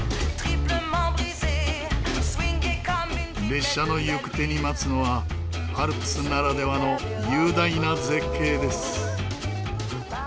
列車の行く手に待つのはアルプスならではの雄大な絶景です。